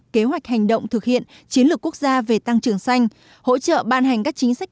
kế hoạch hành động thực hiện chiến lược quốc gia về tăng trưởng xanh hỗ trợ ban hành các chính sách